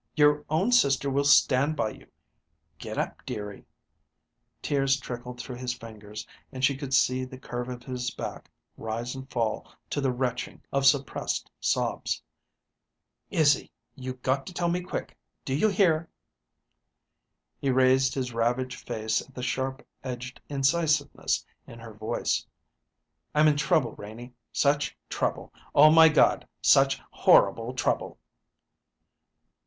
Your own sister will stand by you. Get up, dearie." Tears trickled through his fingers and she could see the curve of his back rise and fall to the retching of suppressed sobs. "Izzy, you got to tell me quick do you hear?" He raised his ravaged face at the sharp edged incisiveness in her voice. "I'm in trouble, Renie such trouble. Oh, my God, such horrible trouble!"